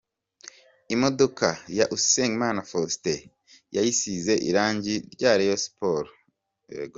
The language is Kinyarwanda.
Imodoka ya Usengimana Faustin yayisize irangi rya Rayon Sport.